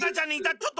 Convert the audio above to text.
ちょっと！